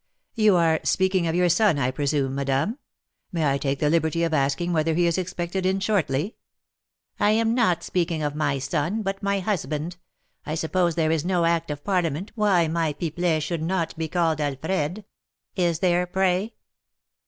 "You are speaking of your son, I presume, madame; may I take the liberty of asking whether he is expected in shortly?" "I am not speaking of my son, but my husband. I suppose there is no act of parliament why my Pipelet should not be called 'Alfred.' Is there, pray?"